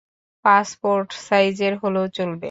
Passport সাইজের হলেও চলবে।